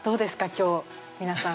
今日皆さん。